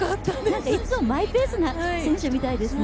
いつもマイペースな選手みたいです。